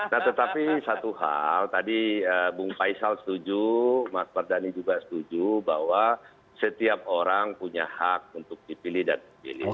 nah tetapi satu hal tadi bung faisal setuju mas mardhani juga setuju bahwa setiap orang punya hak untuk dipilih dan dipilih